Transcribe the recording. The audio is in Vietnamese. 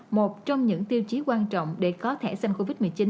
một trong những tiêu chí quan trọng để có thẻ xanh covid một mươi chín